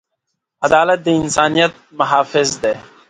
عدالت د انسانیت محافظ دی.